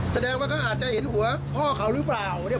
แสดงว่าเขาอาจจะเห็นหัวพ่อเขาหรือเปล่า